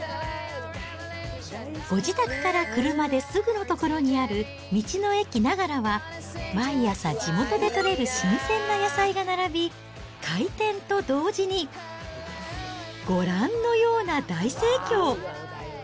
ご自宅から車ですぐの所にある、道の駅ながらは、毎朝地元で採れる新鮮な野菜が並び、開店と同時に、ご覧のような大盛況。